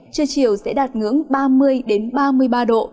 trưa chiều sẽ đạt ngưỡng ba mươi ba mươi ba độ